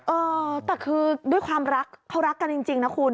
เออแต่คือด้วยความรักเขารักกันจริงนะคุณ